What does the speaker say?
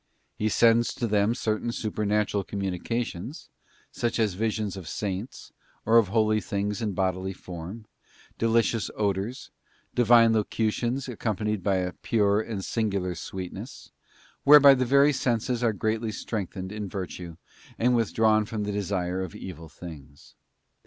He sends to them certain supernatural communications, such as visions of Saints or of holy things in bodily form, delicious odours, Divine locutions accompanied by a pure and singular sweet ness, whereby the very senses are greatly strengthened in virtue and withdrawn from the desire of evil things.